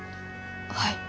はい。